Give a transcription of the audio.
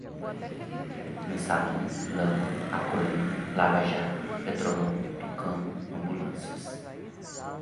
mensalão, lama, acrônimo, lava-jato, petrolão, tucano, ambulâncias